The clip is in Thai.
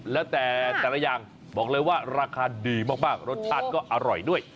แล้วแต่จริงพอเลยบอกแล้วว่าราคาดีมากรสชาติก็อร่อยด้วย